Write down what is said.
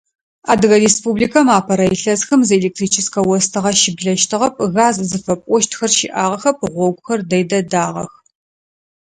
Адыгэ Республикэм апэрэ илъэсхэм зы электрическэ остыгъэ щыблэщтыгъэп, газ зыфэпӏощтхэр щыӏагъэхэп, гъогухэр дэй дэдагъэх.